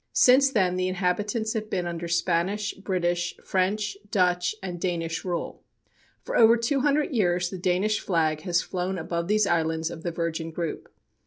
Since then the inhabitants have been under Spanish, British, French, Dutch and Danish rule. For over two hundred years the Danish flag has flown above these islands of the Virgin group.